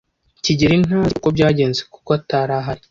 kigeli ntazi uko byagenze kuko atari ahari.